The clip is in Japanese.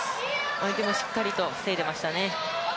相手もしっかり防いでましたね。